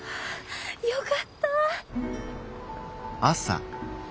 よかった。